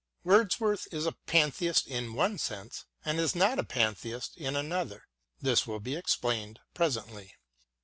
Wordsworth is a Pan theist in one sense, and is not a Pantheist in another — this will be explained presently.